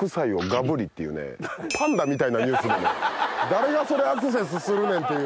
誰がそれアクセスするねんっていう。